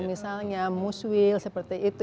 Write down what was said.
misalnya muswil seperti itu